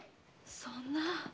そんな。